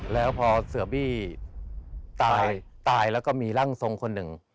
แล้วพอเสือบี้ตายตายแล้วก็มีร่างทรงคนหนึ่ง